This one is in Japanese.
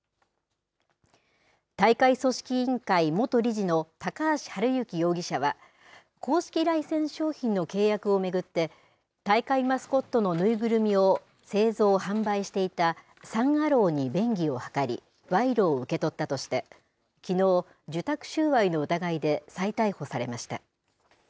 大会組織委員会元理事の高橋治之容疑者は、公式ライセンス商品の契約を巡って、大会マスコットの縫いぐるみを製造・販売していたサン・アローに便宜を図り、賄賂を受け取ったとして、きのう、受託収賄の疑いで再逮捕されました。